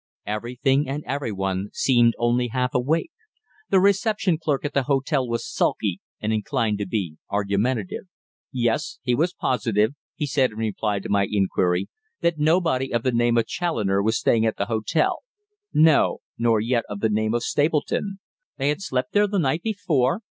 Everything and everyone seemed only half awake. The reception clerk at the hotel was sulky and inclined to be argumentative. Yes, he was positive, he said in reply to my inquiry, that nobody of the name of Challoner was staying at the hotel, no, nor yet of the name of Stapleton. They had slept there the night before?